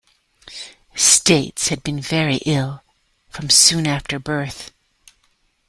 States had been very ill from soon after birth.